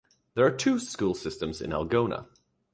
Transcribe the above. There are two school systems in Algona.